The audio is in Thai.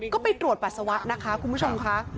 ก็ไปตรวจปัสสาวะนะคะคุณผู้ชมค่ะ